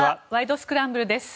スクランブル」です。